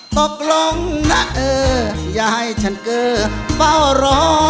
ตกลงนะเอออย่าให้ฉันเกอร์เฝ้ารอ